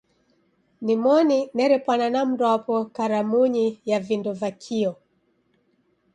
Nimoni nerepwana na mndwapo karamunyi ya vindo va kio.